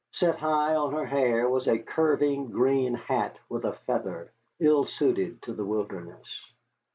Set high on her hair was a curving, green hat with a feather, ill suited to the wilderness.